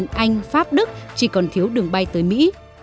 anh pháp đức chỉ còn thiếu đường bay tới mỹ